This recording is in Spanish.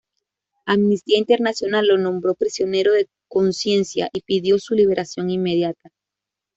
Amnistía Internacional lo nombró prisionero de conciencia y pidió su liberación inmediata.